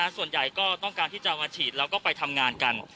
ส่วนใหญ่ก็ต้องการที่จะมาฉีดแล้วก็ไปทำงานกัน